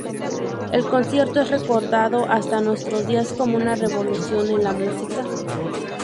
El concierto es recordado hasta nuestros días como una revolución en la música.